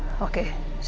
see you tomorrow ya pak